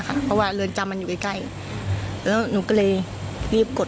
เพราะว่าเรือนจำมันอยู่ใกล้ใกล้แล้วหนูก็เลยรีบกด